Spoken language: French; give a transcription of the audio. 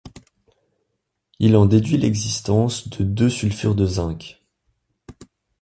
Il en déduit l'existence de deux sulfures de zinc.